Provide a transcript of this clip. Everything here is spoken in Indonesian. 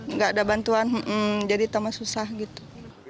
nggak ada bantuan jadi tambah susah gitu